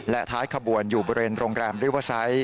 และท้ายขบวนอยู่บริเวณโรงแรมริเวอร์ไซต์